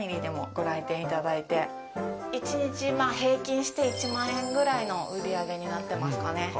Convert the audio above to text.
一日平均して１万円ぐらいの売り上げになってますかね。